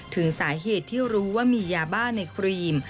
ถึงสาเหตุที่รู้ว่ามียาบ้าในครีม